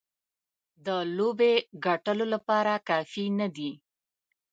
د لوبې ګټلو لپاره کافي نه دي.